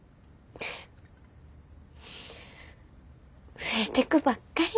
増えてくばっかりや。